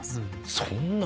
そんな！